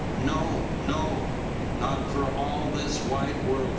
"No, no; not for all this wide world!"